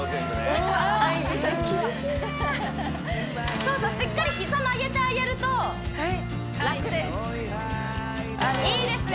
そうそうしっかり膝曲げてあげると楽ですいいですね